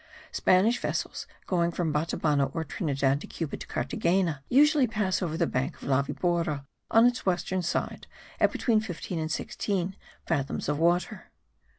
Spanish vessels going from Batabano or Trinidad de Cuba to Carthagena, usually pass over the bank of La Vibora, on its western side, at between fifteen and sixteen fathoms water.